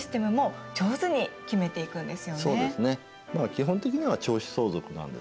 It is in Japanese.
基本的には長子相続なんですね。